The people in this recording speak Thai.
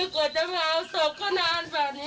กว่าจะมาเอาศพก็นานแบบนี้ค่ะ